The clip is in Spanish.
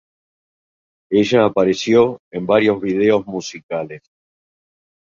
Ella apareció en varios videos musicales.